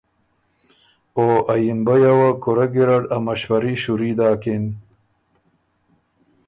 او ا یِمبیه وه کُورۀ ګیرډ ا مشوري شُوري داکِن۔